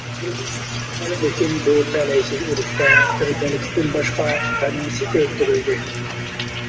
لېكىن بۇ تەلەيسىز ئۇرۇشتا بىر بالىسىدىن باشقا ھەممىسى ئۆلتۈرۈلدى.